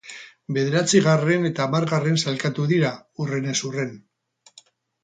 Bederatzigarren eta hamargarren sailkatu dira, hurrenez hurren.